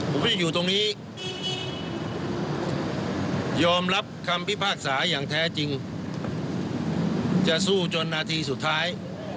ผมไม่ได้อยู่ตรงนี้ยอมรับคำพิพากษาอย่างแท้จริงจะสู้จนนาทีสุดท้าย